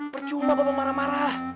percuma bapak marah marah